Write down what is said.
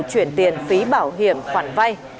chuyển tiền phí bảo hiểm khoản vay